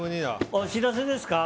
お知らせですか？